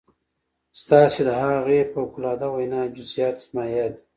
ستاسې د هغې فوق العاده وينا جزئيات زما ياد دي.